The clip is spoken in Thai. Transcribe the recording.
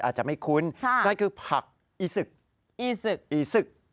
อาจจะไม่คุ้นนั่นคือผักอีซึก